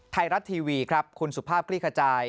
ไทยรัฐทีวีครับคุณสุภาพคลี่ขจาย